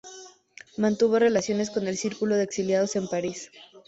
Mantuvo relaciones con el círculo de exiliados en París.